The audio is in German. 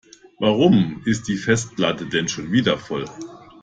Warum ist die Festplatte denn schon wieder voll?